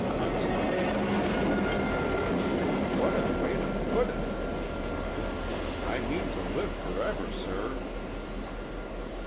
Anita gave a shiver. "What a way to put it!" she cried. "I mean to live forever, sir!"